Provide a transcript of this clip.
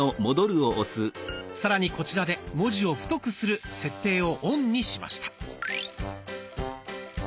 さらにこちらで「文字を太くする」設定をオンにしました。